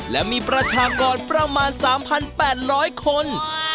และมีประชากรประมาณ๓๘๐๐คน